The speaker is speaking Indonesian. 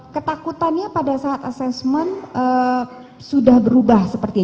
ketakutannya pada saat assessment sudah berubah seperti itu